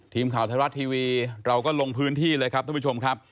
ทีมข่าวไทยรัฐทีวีเราก็ลงพื้นที่เลยครับท่านผู้ชมครับ